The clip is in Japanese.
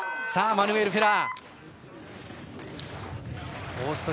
さあ、マヌエル・フェラー。